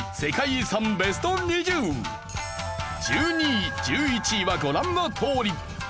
１２位１１位はご覧のとおり。